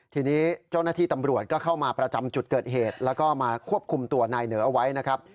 ทีนี้เจ้าหน้าที่ตำรวจก็เข้ามาประจำจุดเกิดเหตุแล้วก็มาควบคุมตัวนายเหนอเอาไว้นะครับ